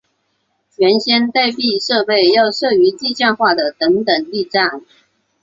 原先待避设备要设于地下化的等等力站。